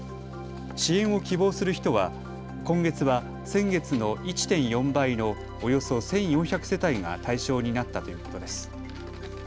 支援を希望する人は今月は先月の１．４倍のおよそ１４００世帯が対象になったということです。